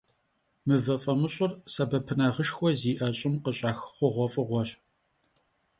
Mıve f'amış'ır — sebepınağışşxue zi'e ş'ım khış'ax xhuğuef'ığueş.